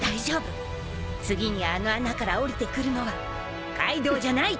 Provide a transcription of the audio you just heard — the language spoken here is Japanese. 次にあの穴からおりてくるのはカイドウじゃない！